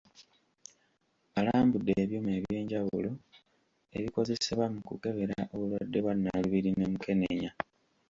Alambudde ebyuma ebyenjawulo ebikozesebwa mu kukebera obulwadde bwa Nalubiri ne mukenenya.